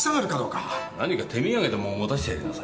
何か手土産でも持たせてやりなさい。